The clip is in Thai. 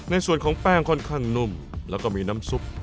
ในส่วนของแป้งค่อนข้างนุ่มแล้วก็มีน้ำซุป